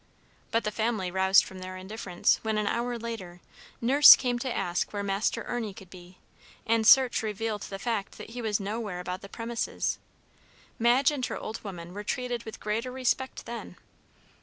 But the family roused from their indifference, when, an hour later, Nurse came to ask where Master Ernie could be, and search revealed the fact that he was nowhere about the premises. Madge and her old woman were treated with greater respect then.